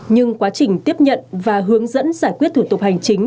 nhưng quá trình tiếp nhận và hướng dẫn giải quyết thủ tục hành chính